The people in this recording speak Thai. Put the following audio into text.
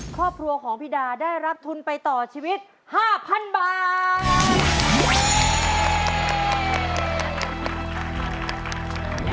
ครอบครัวของพี่ดาได้รับทุนไปต่อชีวิต๕๐๐๐บาท